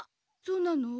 そうなの？